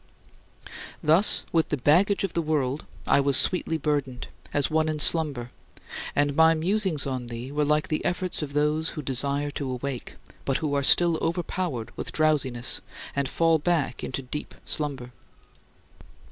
12. Thus with the baggage of the world I was sweetly burdened, as one in slumber, and my musings on thee were like the efforts of those who desire to awake, but who are still overpowered with drowsiness and fall back into deep slumber.